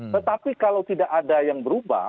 tetapi kalau tidak ada yang berubah